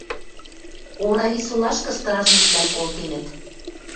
Орависолашкы стражниквлӓм колтенӹт.